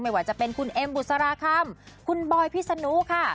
ว่าจะเป็นคุณเอ็มบุษราคำคุณบอยพิษนุค่ะ